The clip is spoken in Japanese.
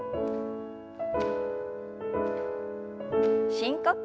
深呼吸。